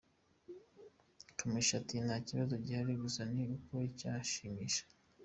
Kamichi ati Nta kibazo gihari gusa ni uko icyo ntishimira.